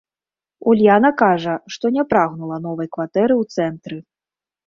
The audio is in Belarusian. Ульяна кажа, што не прагнула новай кватэры ў цэнтры.